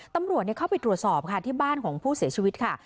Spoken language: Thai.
ตำรวจเข้าไปตรวจสอบค่ะที่บ้านของผู้เสียชีวิตค่ะ